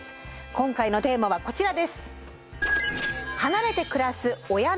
今回のテーマはこちらです。